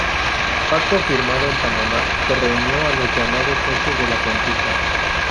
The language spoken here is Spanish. Pacto firmado en Panamá que reunió a los llamados socios de la conquista.